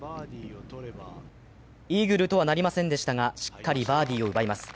イーグルとはなりませんでしたが、しっかりバーディーを奪います。